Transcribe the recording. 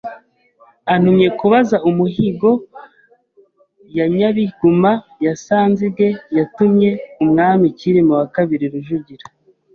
antumye kubaza umuhigo ya Nyabiguma ya Sanzige yatuwe umwami Kirima II Rujugira